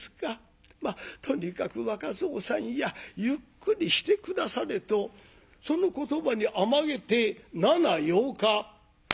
まっとにかく若蔵さんやゆっくりして下され」とその言葉に甘えて七八日。